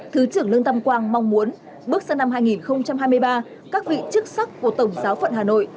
thứ trưởng lương tâm quang mong muốn bước sang năm hai nghìn hai mươi ba các vị chức sắc của tổng giáo phận hà nội